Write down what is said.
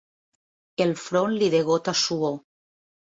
El front li degota suor.